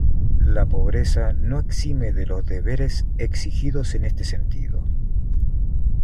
La pobreza no exime de los deberes exigidos en este sentido.